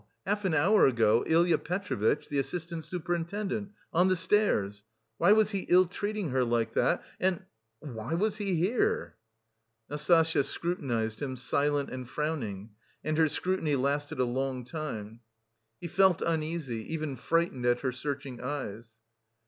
half an hour ago, Ilya Petrovitch, the assistant superintendent, on the stairs.... Why was he ill treating her like that, and... why was he here?" Nastasya scrutinised him, silent and frowning, and her scrutiny lasted a long time. He felt uneasy, even frightened at her searching eyes.